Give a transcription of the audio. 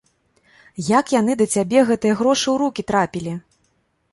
Як яны да цябе, гэтыя грошы, у рукі трапілі?